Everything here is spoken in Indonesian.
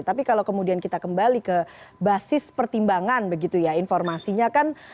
tapi kalau kemudian kita kembali ke basis pertimbangan begitu ya informasinya kan